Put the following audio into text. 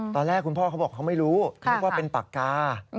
ตอนแรกคุณพ่อเขาบอกเขาไม่รู้นึกว่าเป็นปากกา